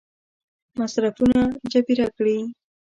مصرفونه جبیره کړي.